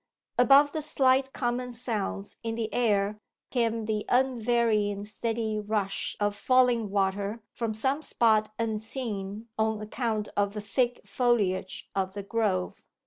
Above the slight common sounds in the air came the unvarying steady rush of falling water from some spot unseen on account of the thick foliage of the grove.